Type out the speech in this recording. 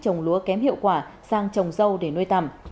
trồng lúa kém hiệu quả sang trồng dâu để nuôi tẩm